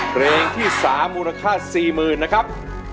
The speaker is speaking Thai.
เพลงที่๓มูลค่า๔๐๐๐นะครับ